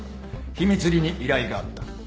秘密裏に依頼があった。